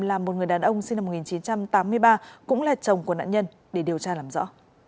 là một người đàn ông sinh năm một nghìn chín trăm tám mươi ba cũng là chồng của nạn nhân để điều tra làm rõ